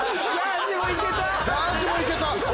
ジャージもいけた！